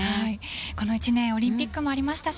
この１年オリンピックもありましたし